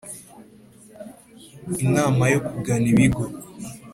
inama yo kugana ibigo